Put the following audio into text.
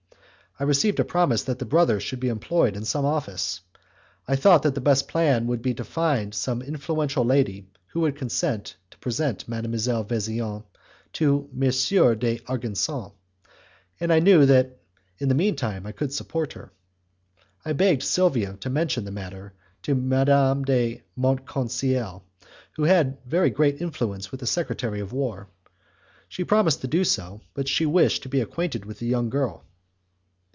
I received a promise that the brother should be employed in some office. I thought that the best plan would be to find some influential lady who would consent to present Mdlle. Vesian to M. d'Argenson, and I knew that in the mean time I could support her. I begged Silvia to mention the matter to Madame de Montconseil, who had very great influence with the secretary of war. She promised to do so, but she wished to be acquainted with the young girl.